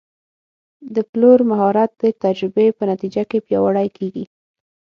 د پلور مهارت د تجربې په نتیجه کې پیاوړی کېږي.